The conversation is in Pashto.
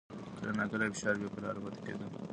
کله ناکله فشار بې قراري پیدا کوي.